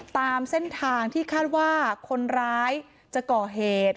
ตามเส้นทางที่คาดว่าคนร้ายจะก่อเหตุ